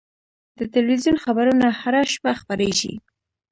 د تلویزیون خبرونه هره شپه خپرېږي.